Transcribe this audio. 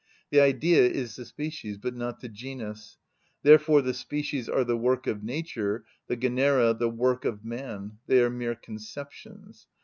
The Idea is the species, but not the genus: therefore the species are the work of nature, the genera the work of man; they are mere conceptions.